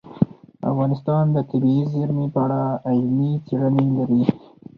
افغانستان د طبیعي زیرمې په اړه علمي څېړنې لري.